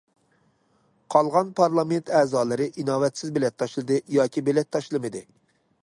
قالغان پارلامېنت ئەزالىرى ئىناۋەتسىز بېلەت تاشلىدى ياكى بېلەت تاشلىمىدى.